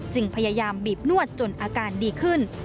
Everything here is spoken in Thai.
พยายามบีบนวดจนอาการดีขึ้น